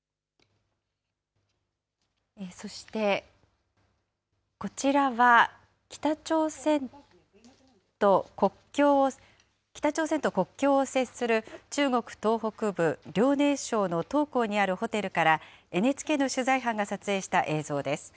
そして、こちらは、北朝鮮と国境を接する中国東北部、遼寧省の東港にあるホテルから、ＮＨＫの取材班が撮影した映像です。